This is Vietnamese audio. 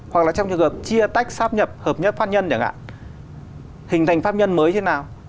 hoặc là trong trường hợp chia tách sáp nhập hợp nhất pháp nhân chẳng hạn hình thành pháp nhân mới thế nào